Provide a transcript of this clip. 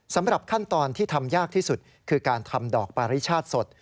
สำหรับขั้นตอนที่ทำยากที่สุดคือการทำดอกปาริชาติสด